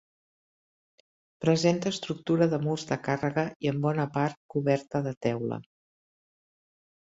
Presenta estructura de murs de càrrega i en bona part coberta de teula.